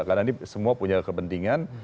karena ini semua punya kepentingan